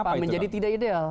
kenapa menjadi tidak ideal